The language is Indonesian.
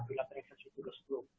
bila teriksensi turus dulu